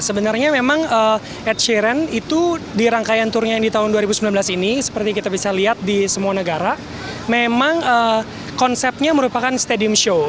sebenarnya memang ed sheeran itu di rangkaian tournya yang di tahun dua ribu sembilan belas ini seperti kita bisa lihat di semua negara memang konsepnya merupakan stadium show